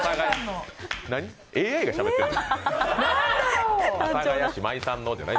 ＡＩがしゃべってんの？